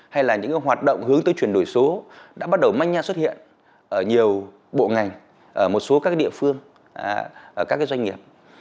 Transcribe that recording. hay là những hoạt động hướng tới chuyển đổi số đã bắt đầu manh nha xuất hiện ở nhiều bộ ngành ở một số các địa phương ở các doanh nghiệp